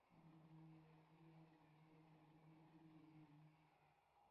আমি তোমাকে আমার বোন বলে পরিচয় দিয়েছি।